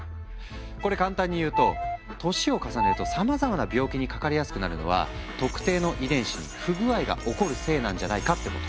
これ簡単に言うと年を重ねるとさまざまな病気にかかりやすくなるのは特定の遺伝子に不具合が起こるせいなんじゃないかってこと。